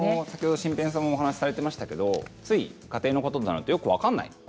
先ほど新平さんもお話しされていましたけどつい、家庭のことになるとよく分からない